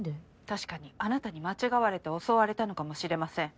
確かにあなたに間違われて襲われたのかもしれません。